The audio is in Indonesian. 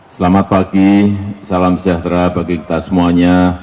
selamat pagi salam sejahtera bagi kita semuanya